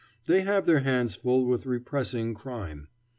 They have their hands full with repressing crime.